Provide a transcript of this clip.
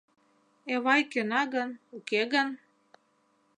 Эвай кӧна гын, уке гын?